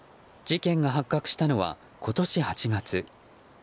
事件が発覚したのは今年８月。